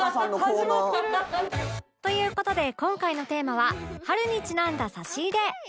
という事で今回のテーマは春にちなんだ差し入れ